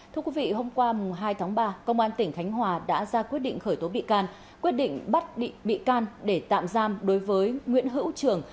thưa quý vị hôm qua hai tháng ba công an tỉnh khánh hòa đã ra quyết định khởi tố bị can quyết định bắt bị can để tạm giam đối với nguyễn hữu trường